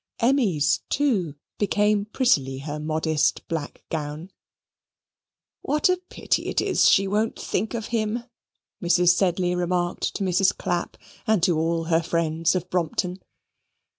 Emmy's, too, became prettily her modest black gown. "What a pity it is she won't think of him!" Mrs. Sedley remarked to Mrs. Clapp and to all her friends of Brompton.